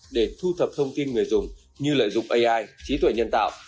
để thu thập thông tin người dùng như lợi dụng ai trí tuệ nhân tạo